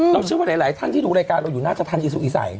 เราเชื่อว่าหลายท่านที่ดูรายการเราอยู่หน้าจากท่านอิสุอิสัย